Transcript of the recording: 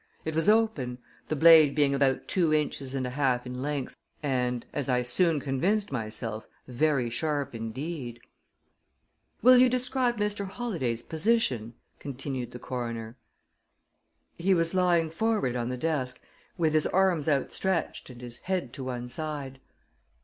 It was open, the blade being about two inches and a half in length, and, as I soon convinced myself, very sharp indeed. "Will you describe Mr. Holladay's position?" continued the coroner. "He was lying forward on the desk, with his arms outstretched and his head to one side."